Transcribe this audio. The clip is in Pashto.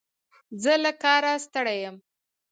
زه له کاره ستړی یم.